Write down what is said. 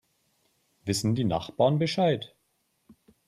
Wissen die Nachbarn Bescheid?